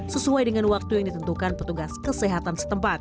sesuai dengan waktu yang ditentukan petugas kesehatan setempat